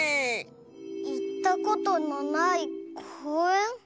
いったことのないこうえん？